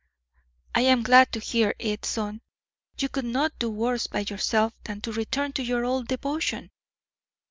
"I am glad to hear it, my son. You could not do worse by yourself than to return to your old devotion."